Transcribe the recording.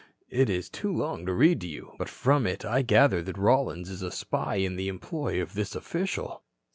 It is too long to read to you. But from it I gather that Rollins is a spy in the employ of this official."